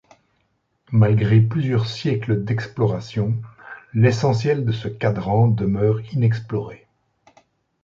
Malgré plusieurs siècles d'exploration, l'essentiel de ce quadrant demeure inexploré.